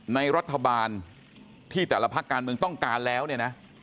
ในรัฐบาลที่แต่ละพักการเมืองต้องการแล้วเนี่ยนะ